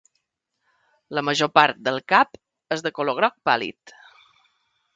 La major part del cap és de color groc pàl·lid.